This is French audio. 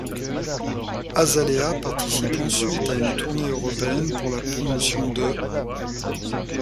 Azalea participe ensuite à une tournée européenne pour la promotion de '.